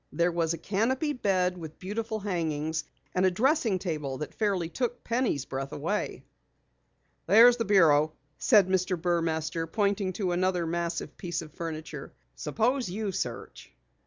There was a canopied bed with beautiful hangings and a dressing table that fairly took Penny's breath away. "There's the bureau," said Mr. Burmaster, pointing to another massive piece of furniture. "Suppose you search."